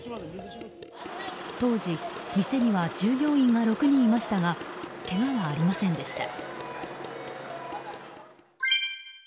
当時、店には従業員が６人いましたがけがはありませんでした。